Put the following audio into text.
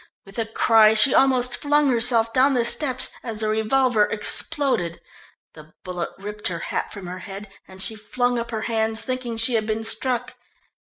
With a cry she almost flung herself down the steps as the revolver exploded. The bullet ripped her hat from her head, and she flung up her hands, thinking she had been struck.